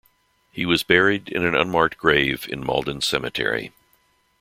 He was buried in an unmarked grave in Maldon cemetery.